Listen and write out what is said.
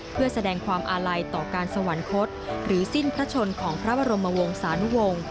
เพื่อแสดงความอาลัยต่อการสวรรคตหรือสิ้นพระชนของพระบรมวงศานุวงศ์